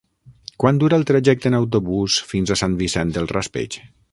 Quant dura el trajecte en autobús fins a Sant Vicent del Raspeig?